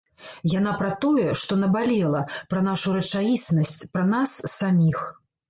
Яна пра тое, што набалела, пра нашу рэчаіснасць, пра нас саміх.